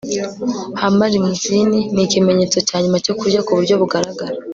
hummer limousine nikimenyetso cyanyuma cyo kurya ku buryo bugaragara